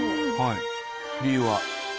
理由は？